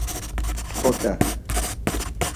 P̌ot̆e!